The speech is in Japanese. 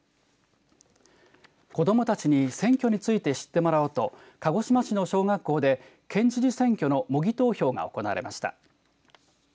子どもたちに選挙について知ってもらおうと鹿児島市の小学校で県知事選挙の模擬投票が行われました。